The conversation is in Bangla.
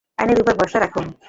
আইনের উপর ভরসা রাখুন।